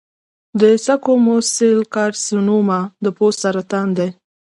د سکوموس سیل کارسینوما د پوست سرطان دی.